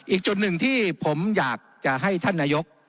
อีกจุดหนึ่งที่ผมอยากจะให้ท่านนายก